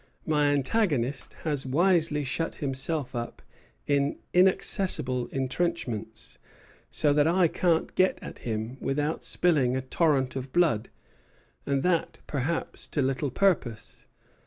My antagonist has wisely shut himself up in inaccessible intrenchments, so that I can't get at him without spilling a torrent of blood, and that perhaps to little purpose.